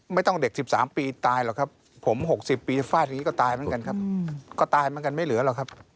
ไม่ต้องเด็ก๑๓ปีตายหรอกครับผม๖๐ปีฟาดอย่างนี้ก็ตายเหมือนกันครับก็ตายเหมือนกันไม่เหลือหรอกครับ